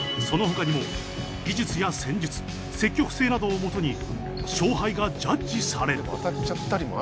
その他にも技術や戦術積極性などをもとに勝敗がジャッジされる。